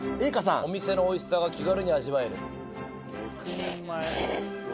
お店のおいしさが気軽に味わえる。